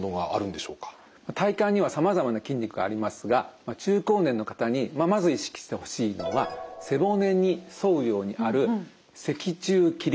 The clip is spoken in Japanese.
体幹にはさまざまな筋肉がありますが中高年の方にまず意識してほしいのは背骨に沿うようにある脊柱起立筋です。